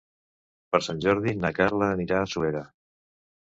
Per Sant Jordi na Carla anirà a Suera.